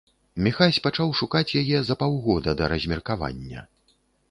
Міхась пачаў шукаць яе за паўгода да размеркавання.